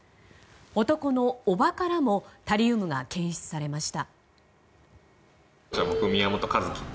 男の叔母からもタリウムが検出されました。